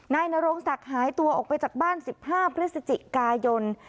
นายนโรงศักดิ์หายตัวออกไปจากบ้าน๑๕พฤศจิกายน